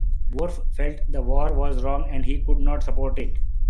Worf felt the war was wrong and he could not support it.